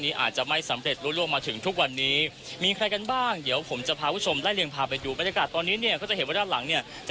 เพิ่งจะร้องเฮกัดไปอ้าวเดี๋ยวมารู้จักกับท่านนี้กันหน่อย